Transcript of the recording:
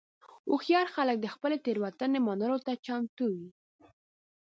هوښیار خلک د خپلې تېروتنې منلو ته چمتو وي.